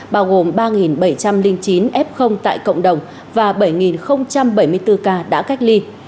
bao gồm ba bảy trăm linh chín f tại cộng đồng và bảy bảy mươi bốn ca đã cách ly